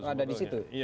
ada di situ